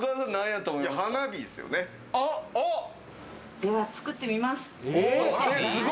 では作ってみます。